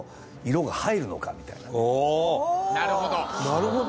なるほど。